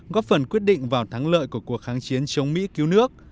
góp phần quyết định vào thắng lợi của cuộc kháng chiến chống mỹ cứu nước